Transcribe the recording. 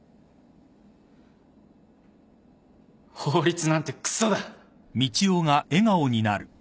法律なんてくそだ。